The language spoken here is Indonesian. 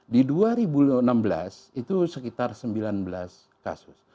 di dua ribu enam belas itu sekitar sembilan belas kasus